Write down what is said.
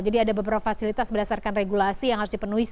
jadi ada beberapa fasilitas berdasarkan regulasi yang harus dipenuhi